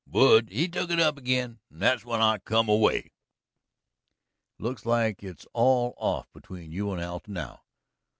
Wood he took it up ag'in. That's when I come away." "It looks like it's all off between you and Alta now."